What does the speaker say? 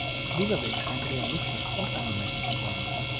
Dieser Weg scheint realistisch und angemessen zu sein.